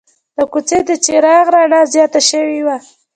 د کوڅې د چراغ رڼا زیاته شوې وه.